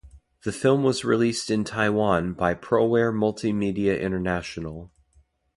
The film was released in Taiwan by Proware Multimedia International.